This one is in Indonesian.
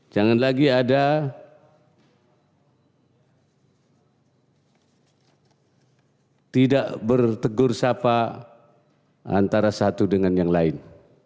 jangan lagi ada tidak bertegur sapa antara satu dengan yang lain